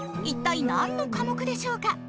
一体何の科目でしょうか？